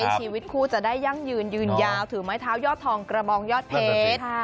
ชีวิตคู่จะได้ยั่งยืนยืนยาวถือไม้เท้ายอดทองกระบองยอดเพชร